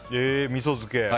みそ漬け。